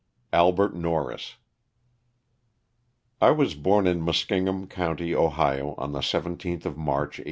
ALBERT NORRIS. T WAS born in Muskingum, county, Ohio, on the 17th of March, 1842.